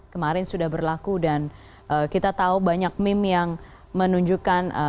kemarin sudah berlaku dan kita tahu banyak meme yang menunjukkan